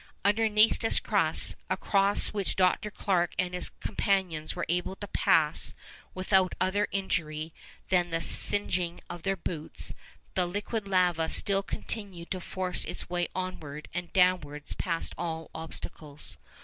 Underneath this crust—across which Dr. Clarke and his companions were able to pass without other injury than the singeing of their boots—the liquid lava still continued to force its way onward and downward past all obstacles.